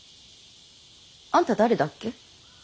あんた誰だっけ。